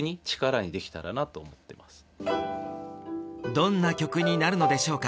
どんな曲になるのでしょうか